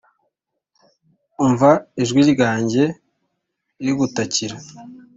umva ijwi ryanjye rigutakira